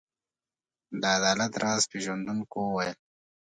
د عدالت راز پيژندونکو وویل.